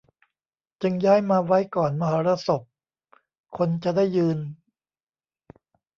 จึงย้ายมาไว้ก่อนมหรสพ คนจะได้ยืน